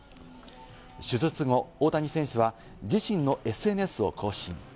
手術後、大谷選手は自身のＳＮＳを更新。